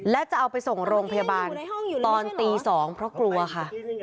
และจะเอาไปส่งโรงพยาบาลตอนตี๒เพราะกลัวค่ะ